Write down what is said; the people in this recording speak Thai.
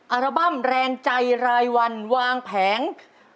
อัลบั้มแรงใจรายวันวางแผง